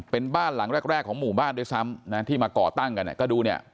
เป็นบ้านหลังแรกแรกของหมู่บ้านด้วยซ้ำนะที่มาก่อตั้งกันก็ดูเนี่ย